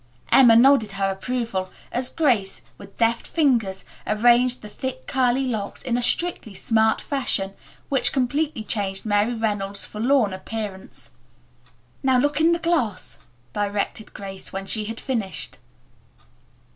asked Grace. Emma nodded her approval as Grace, with deft fingers, arranged the thick curly locks in a strictly smart fashion which completely changed Mary Reynolds' forlorn appearance. "Now look in the glass," directed Grace, when she had finished.